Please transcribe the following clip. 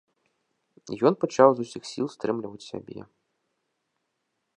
Ён пачаў з усіх сіл стрымліваць сябе.